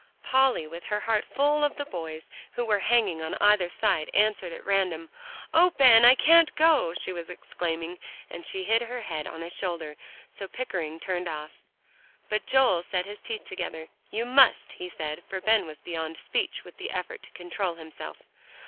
Polly with her heart full of the boys, who were hanging on either side, answered at random. "Oh, Ben! I can't go," she was exclaiming, and she hid her head on his shoulder, so Pickering turned off. But Joel set his teeth together. "You must," he said, for Ben was beyond speech with the effort to control himself.